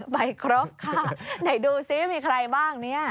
ใบครบค่ะไหนดูซิมีใครบ้างเนี่ย